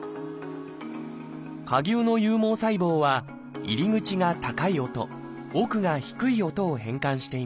蝸牛の有毛細胞は入り口が高い音奥が低い音を変換しています。